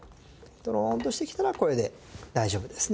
とろんとしてきたらこれで大丈夫ですね。